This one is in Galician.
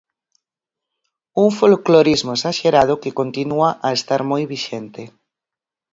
Un folclorismo esaxerado que continúa a estar moi vixente.